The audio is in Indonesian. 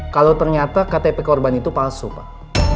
kalau ternyata ktp korban itu palsu pak